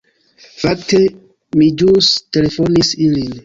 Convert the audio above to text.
"Fakte, mi ĵus telefonis ilin."